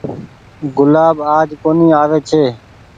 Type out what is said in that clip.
گلآب آج ڪونيٚ آوي ڇي۔